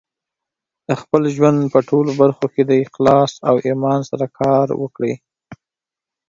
د خپل ژوند په ټولو برخو کې د اخلاص او ایمان سره کار وکړئ.